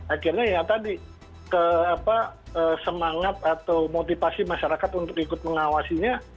akhirnya ya tadi semangat atau motivasi masyarakat untuk ikut mengawasinya